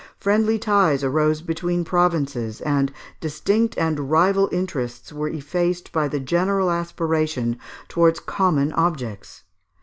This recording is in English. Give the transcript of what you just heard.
Friendly ties arose between provinces; and distinct and rival interests were effaced by the general aspiration towards common objects.